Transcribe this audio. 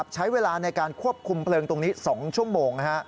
ใช้เวลาในการควบคุมเพลิงตรงนี้๒ชั่วโมง